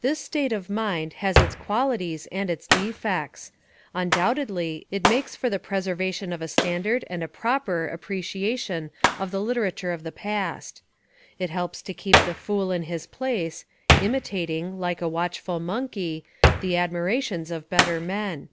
This state of mind has its qualities and its defects. Undoubtedly it makes for the preser vation of a standard and a proper appreciation of the literature of the past. It helps to keep the fool in his place, imitating, like a watch ful monkey, the admirations of better men.